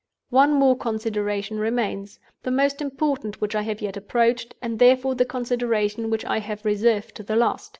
"One more consideration remains—the most important which I have yet approached, and therefore the consideration which I have reserved to the last.